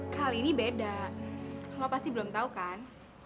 kali ini beda lo pasti belum tau kan